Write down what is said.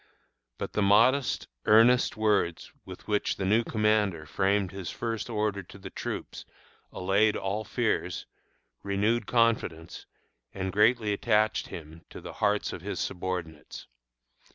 But the modest, earnest words with which the new commander framed his first order to the troops allayed all fears, renewed confidence, and greatly attached to him the hearts of his subordinates.